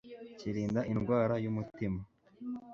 kirinda indwara y'umutima